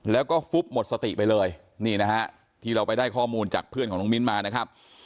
แล้วก็ฟุบหมดสติไปเลยนี่นะฮะที่เราไปได้ข้อมูลจากเพื่อนของน้องมิ้นมานะครับ